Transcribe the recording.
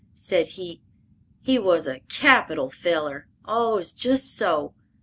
Said he, "He was a capital feller; allus just so.